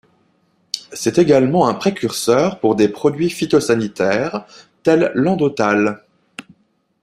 C'est également un précurseur pour des produits phytosanitaires tel l'endothall.